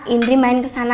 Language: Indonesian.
indri main kesana